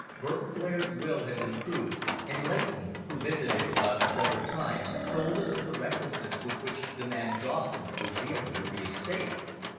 Burton Blair's will had been proved, and Leighton, who visited us several times, told us of the recklessness with which the man Dawson was dealing with the estate.